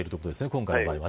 今回の場合は。